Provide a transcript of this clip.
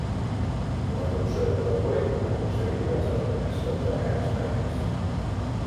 La producció de Broadway aconseguí diverses nominacions a grans premis.